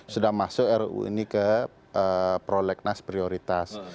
sudah masuk ruu ini ke prolegnas prioritas